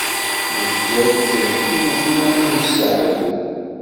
Nezga akken, nugi ad nemseɛyu.